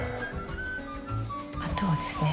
あとはですね